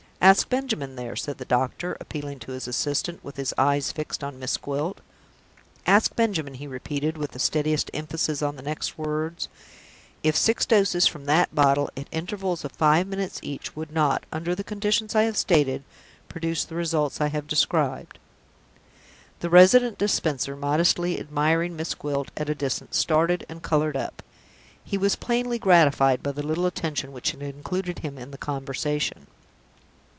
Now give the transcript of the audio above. Ask Benjamin there," said the doctor, appealing to his assistant, with his eyes fixed on Miss Gwilt. "Ask Benjamin," he repeated, with the steadiest emphasis on the next words, "if six doses from that bottle, at intervals of five minutes each, would not, under the conditions I have stated, produce the results I have described?" The Resident Dispenser, modestly admiring Miss Gwilt at a distance, started and colored up. He was plainly gratified by the little attention which had included him in the conversation.